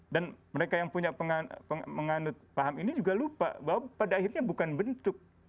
dan mereka yang punya menganut paham ini juga lupa bahwa pada akhirnya bukan bentuk